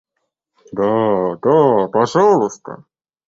Да, да, пожалуйста.